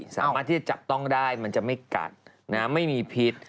สามารถที่จะจับต้องได้มันจะไม่กัดไม่มีพิษ